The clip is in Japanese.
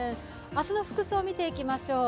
明日の服装を見ていきましょう。